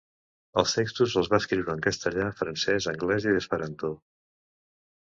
Els textos els va escriure en castellà, francès, anglès i esperanto.